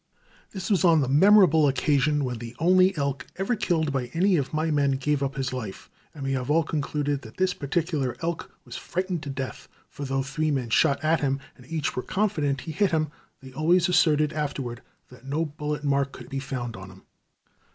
This was on the memorable occasion when the only elk ever killed by any of my men gave up his life, and we have all concluded that this particular elk was frightened to death; for though three men shot at him and each was confident he hit him, they always asserted afterward that no bullet mark could be found on him.